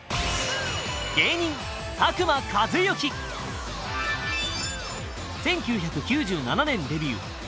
芸人１９９７年デビュー